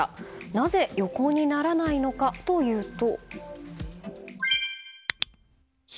なぜ横にならないのかというと。